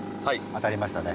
当たりましたね。